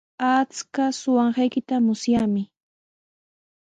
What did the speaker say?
Akshuu suqanqaykita musyaami.